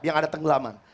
yang ada tenggelaman